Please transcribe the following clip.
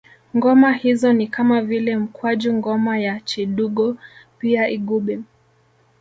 Ngoma hizo ni kama vile mkwaju ngoma ya chidugo pia igubi